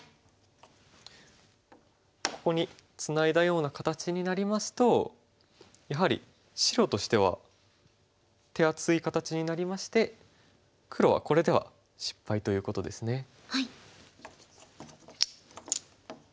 ここにツナいだような形になりますとやはり白としては手厚い形になりまして黒はこれでは失敗ということですね。